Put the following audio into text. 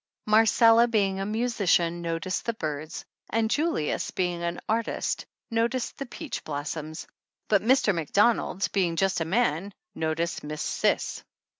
Marcella, being a musician, noticed the birds, and Julius, being an artist, noticed the peach blossoms, but Mr. Macdonald, being just a man, noticed Miss Cis.